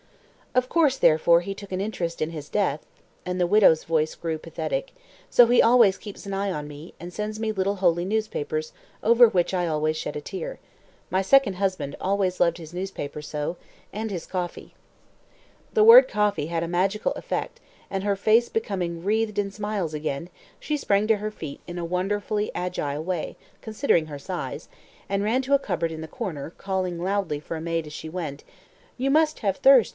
"Of course, therefore, he took an interest in his death," and the widow's voice grew pathetic. "So he always keeps an eye on me, and sends me little holy newspapers, over which I always shed a tear. My second husband always loved his newspaper so and his coffee." The word coffee had a magical effect, and her face becoming wreathed in smiles again, she sprang to her feet in a wonderfully agile way, considering her size, and ran to a cupboard in the corner, calling loudly for a maid as she went. "You must have thirst!"